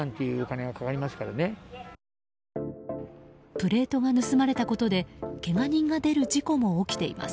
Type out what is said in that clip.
プレートが盗まれたことでけが人が出る事故も起きています。